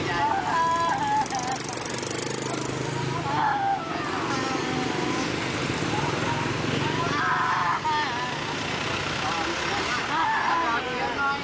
อยากตอบอย่างน้อย